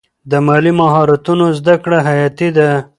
د مالي مهارتونو زده کړه حیاتي ده.